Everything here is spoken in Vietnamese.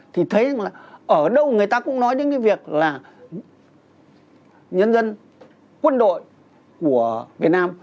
thì thấy ở đâu người ta cũng nói đến cái việc là nhân dân quân đội của việt nam